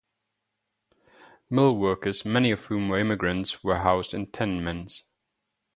Mill workers, many of whom were immigrants, were housed in tenements.